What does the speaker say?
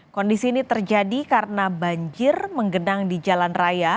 kondisi ini terjadi karena banjir menggenang di jalan raya